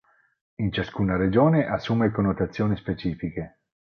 In ciascuna regione assume connotazioni specifiche.